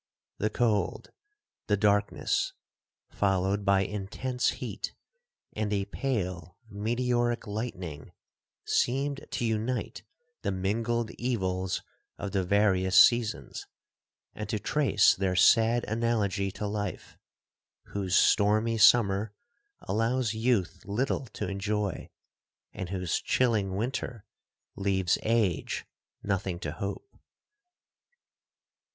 The cold, the darkness, followed by intense heat, and a pale, meteoric lightning, seemed to unite the mingled evils of the various seasons, and to trace their sad analogy to life,—whose stormy summer allows youth little to enjoy, and whose chilling winter leaves age nothing to hope.